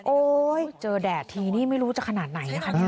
โอ๊ยเจอแดดทีนี้ไม่รู้จะขนาดไหนนะคะ